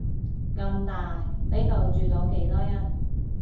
咁大，呢度住到幾多人